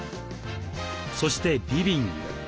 そしてリビング。